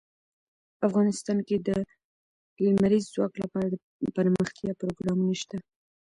افغانستان کې د لمریز ځواک لپاره دپرمختیا پروګرامونه شته.